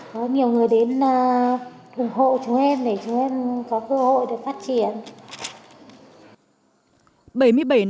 có nhiều người đến ủng hộ chúng em để chúng em có cơ hội để phát triển